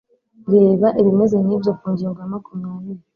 reba ibimeze nk'ibyo ku ngingo ya makumyabiri